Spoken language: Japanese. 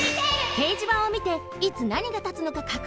けいじばんをみていつなにがたつのかかくにん。